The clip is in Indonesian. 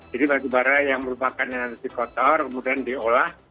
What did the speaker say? jadi batubara yang merupakan yang dikotor kemudian diolah